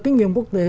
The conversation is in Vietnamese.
kinh nghiệm quốc tế